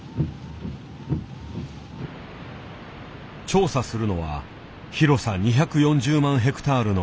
調査するのは広さ２４０万ヘクタールのデナリ国立公園。